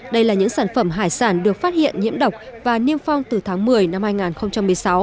đây là những sản phẩm hải sản được phát hiện nhiễm độc và niêm phong từ tháng một mươi năm hai nghìn một mươi sáu